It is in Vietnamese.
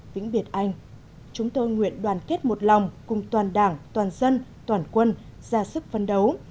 vĩnh biệt anh chúng tôi nguyện đoàn kết một lòng cùng toàn đảng toàn dân toàn quân ra sức phấn đấu